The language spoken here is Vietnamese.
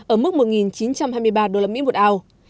ở mức một chín trăm hai mươi ba usd một ounce